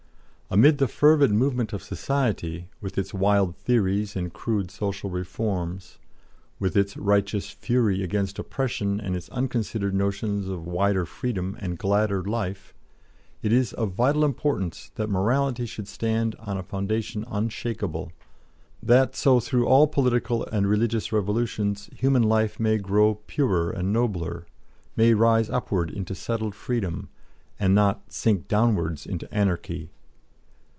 "Amid the fervid movement of society, with its wild theories and crude social reforms, with its righteous fury against oppression and its unconsidered notions of wider freedom and gladder life, it is of vital importance that morality should stand on a foundation unshakable; that so through all political and religious revolutions human life may grow purer and nobler, may rise upwards into settled freedom, and not sink downwards into anarchy.